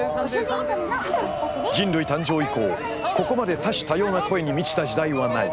人類誕生以降ここまで多種多様な声に満ちた時代はない。